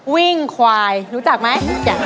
วิ่งควายรู้จักมั้ย